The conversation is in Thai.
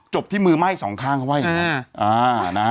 จบที่มือไหม้สองข้างเขาไว้อ่านะฮะ